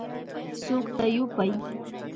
Sukta yupay